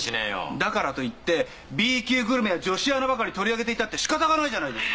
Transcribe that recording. だからといってＢ級グルメや女子アナばかり取り上げていたってしかたがないじゃないですか。